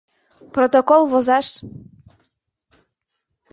Протокол возаш!